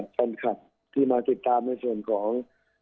แฟนคลับที่มาติดตามในส่วนของ